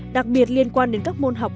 đặc biệt liên quan đến các môn thông tin